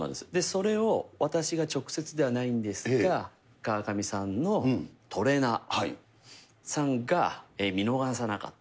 それを私が直接ではないんですが、川上さんのトレーナーさんが見逃さなかった。